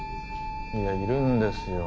いやいるんですよ。